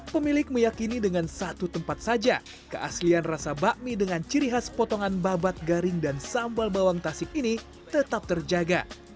pemilik meyakini dengan satu tempat saja keaslian rasa bakmi dengan ciri khas potongan babat garing dan sambal bawang tasik ini tetap terjaga